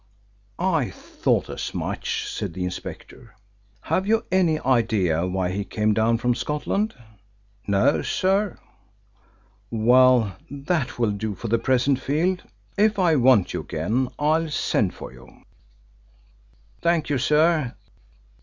"I thought as much," said the inspector. "Have you any idea why he came down from Scotland?" "No, sir." "Well, that will do for the present, Field. If I want you again I'll send for you." "Thank you, sir.